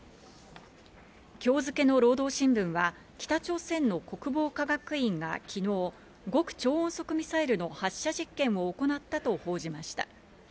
今日付の労働新聞は北朝鮮の国防科学院が昨日、極超音速ミサイルの発射実験を行ったと報じました。